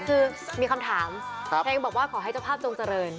คือมีคำถามเพลงบอกว่าขอให้เจ้าภาพจงเจริญ